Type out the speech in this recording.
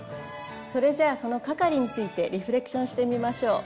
それじゃあその係についてリフレクションしてみましょう。